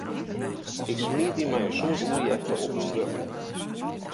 Ik smiet my mei in soad oerjefte op myn wurk.